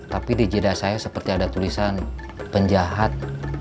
tapi di jeda saya seperti ada tulisan penjahat